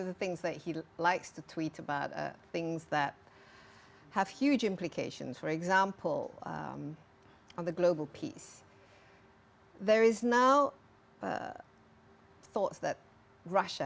untuk kebukaan lebih lanjut untuk globalisasi migrasi